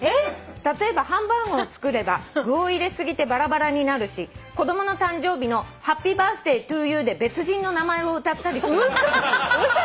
「例えばハンバーグを作れば具を入れ過ぎてばらばらになるし子供の誕生日のハッピーバースデートゥユーで別人の名前を歌ったりします」嘘！？